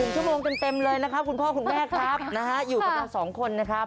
ชั่วโมงเต็มเลยนะครับคุณพ่อคุณแม่ครับนะฮะอยู่กับเรา๒คนนะครับ